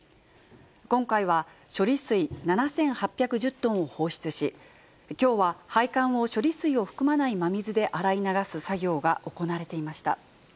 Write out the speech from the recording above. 今回は処理水７８１０トンを放出し、きょうは配管を処理水を含まない真水で洗い流す作業が行われていました。